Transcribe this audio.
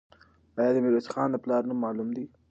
آیا د میرویس خان د پلار نوم معلوم دی؟